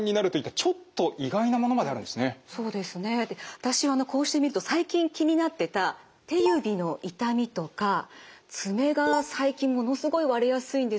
私こうして見ると最近気になってた手指の痛みとか爪が最近ものすごい割れやすいんですよ。